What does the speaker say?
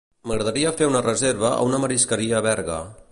M'agradaria fer una reserva a una marisqueria a Berga.